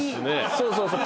そうそうそう。